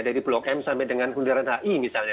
dari blok m sampai dengan bundaran hi misalnya